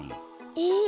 え！